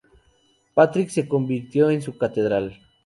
Patrick se convirtió en su catedral.